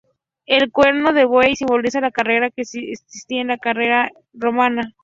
El cuerno de buey simboliza la carretera que existía en la era romana.